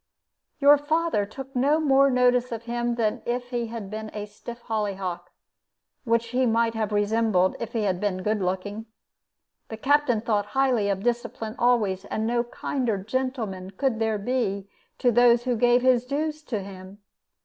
"Your father took no more notice of him than if he had been a stiff hollyhock, which he might have resembled if he had been good looking. The Captain thought highly of discipline always, and no kinder gentleman could there be to those who gave his dues to him.